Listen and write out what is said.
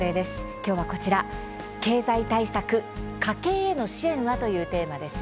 きょうはこちら経済対策家計への支援は？というテーマです。